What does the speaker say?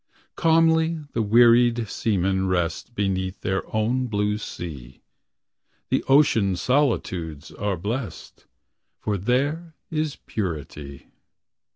Calmly the wearied seamen rest Beneath their own blue sea. The ocean solitudes are blest, For there is purity.